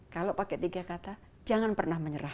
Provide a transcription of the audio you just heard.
kalau pakai tiga kata jangan pernah menyerah